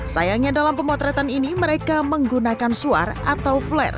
sayangnya dalam pemotretan ini mereka menggunakan suara